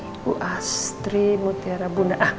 ibu astri mutiara bunda